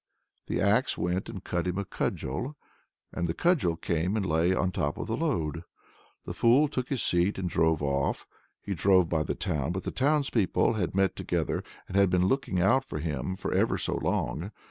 The axe went and cut him a cudgel, and the cudgel came and lay on top of the load. The fool took his seat and drove off. He drove by the town, but the townspeople had met together and had been looking out for him for ever so long.